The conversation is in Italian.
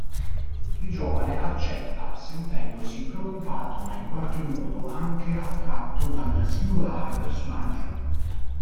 Il giovane accetta, sentendosi preoccupato, ma in qualche modo anche attratto dal singolare personaggio.